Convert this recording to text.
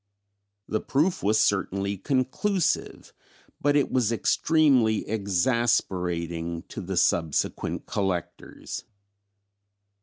The proof was certainly conclusive, but it was extremely exasperating to the subsequent collectors.